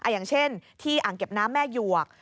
อย่างเช่นที่อ่างเก็บน้ำแม่หยวก